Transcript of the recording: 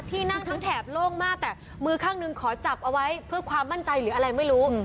ที่นั่งทั้งแถบโล่งมากแต่มือข้างหนึ่งขอจับเอาไว้เพื่อความมั่นใจหรืออะไรไม่รู้